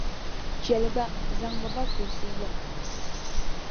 Chɛli gba, zaŋmi ba kulisi yiŋa